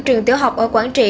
trường tiểu học ở quảng trị